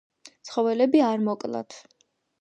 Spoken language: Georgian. ცხოველები არ მოკლათ